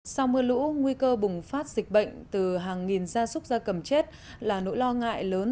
sau mưa lũ nguy cơ bùng phát dịch bệnh từ hàng nghìn gia súc gia cầm chết là nỗi lo ngại lớn